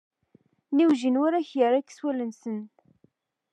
Nniwjin warrac ɣer xwal-nsen.